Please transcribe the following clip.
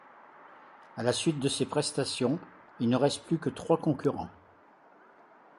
À la suite de ces prestations, il ne reste plus que trois concurrents.